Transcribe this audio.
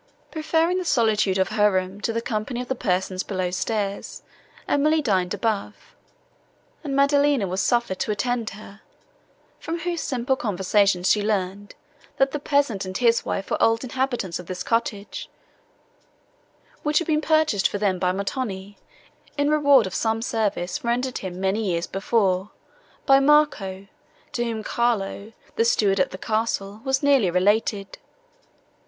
]) Preferring the solitude of her room to the company of the persons below stairs, Emily dined above, and Maddelina was suffered to attend her, from whose simple conversation she learned, that the peasant and his wife were old inhabitants of this cottage, which had been purchased for them by Montoni, in reward of some service, rendered him, many years before, by Marco, to whom Carlo, the steward at the castle, was nearly related.